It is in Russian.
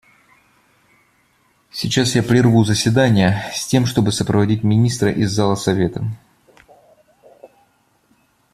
Сейчас я прерву заседание, с тем чтобы сопроводить министра из зала Совета.